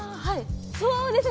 そうですね